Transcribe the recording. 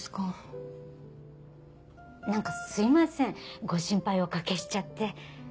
何かすいませんご心配おかけしちゃって。